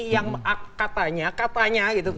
yang katanya katanya gitu